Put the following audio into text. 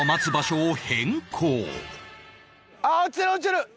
ああ落ちてる落ちてる！